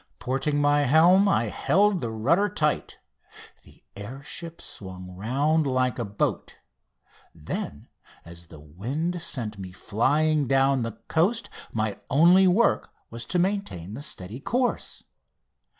Porting my helm I held the rudder tight. The air ship swung round like a boat; then as the wind sent me flying down the coast my only work was to maintain the steady course.